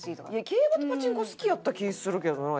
競馬とパチンコ好きやった気ぃするけどな矢口さん。